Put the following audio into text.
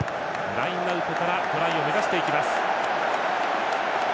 ラインアウトからトライを目指していきます。